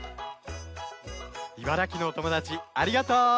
茨城のおともだちありがとう！